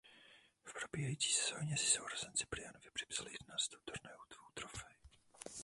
V probíhající sezóně si sourozenci Bryanovi připsali jedenáctou turnajovou trofej.